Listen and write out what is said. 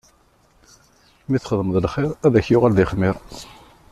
Mi txedmeḍ lxiṛ, ad ak-yuɣal d ixmiṛ.